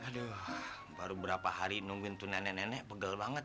aduh baru berapa hari nungguin tuh nenek nenek pegel banget